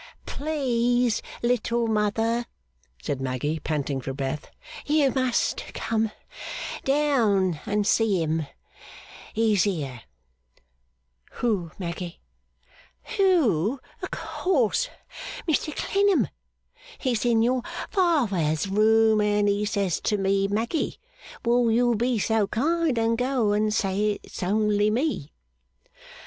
'Please, Little Mother,' said Maggy, panting for breath, 'you must come down and see him. He's here.' 'Who, Maggy?' 'Who, o' course Mr Clennam. He's in your father's room, and he says to me, Maggy, will you be so kind and go and say it's only me.